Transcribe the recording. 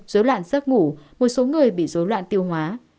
dối loạn giấc ngủ một số người bị dối loạn tiêu hóa